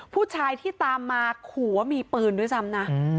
ผู้ชายที่ตามมาขู่ว่ามีปืนด้วยซ้ำนะ